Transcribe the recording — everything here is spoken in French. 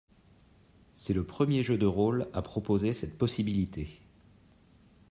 C'est le premier jeu de rôle à proposer cette possibilité.